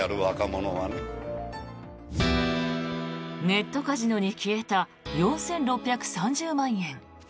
ネットカジノに消えた４６３０万円。